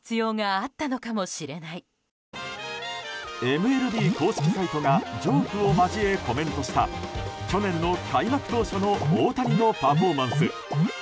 ＭＬＢ公式サイトがジョークを交えコメントした去年の開幕当初の大谷のパフォーマンス。